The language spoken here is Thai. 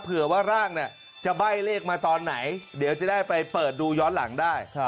เผื่อว่าร่างจะใบ้เลขมาตอนไหนเดี๋ยวจะได้ไปเปิดดูย้อนหลังได้